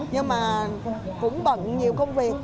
nhưng mà cũng bận nhiều công việc